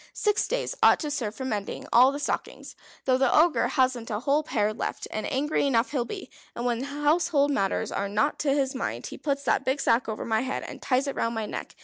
Six days ought to serve for mending all the stockings, though the Ogre hasn't a whole pair left, and angry enough he'll be. And when household matters are not to his mind he puts that big sack over my head, and ties it round my neck.